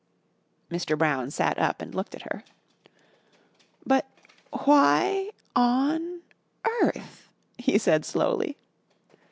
Mr. Brown sat up and looked at her. "But why on earth?" he said slowly.